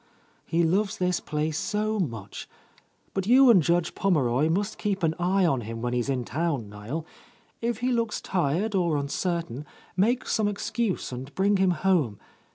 "He loves this place so much. But you and Judge Pommeroy must keep an eye on him when he is in town, Niel. If he looks tired or uncertain, make some excuse and bring him home.